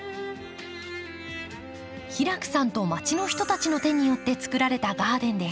平工さんとまちの人たちの手によってつくられたガーデンです。